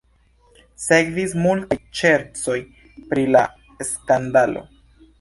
Sekvis multaj ŝercoj pri la skandalo.